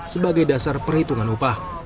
sebagai dasar perhitungan upah